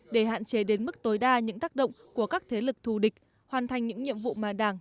để hạn chế đến mức tối đa những tác động của các thế lực thù địch hoàn thành những nhiệm vụ mà đảng